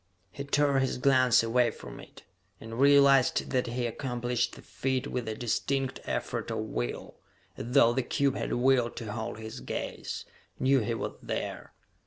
He tore his glance away from it, and realized that he accomplished the feat with a distinct effort of will as though the cube had willed to hold his gaze, knew he was there.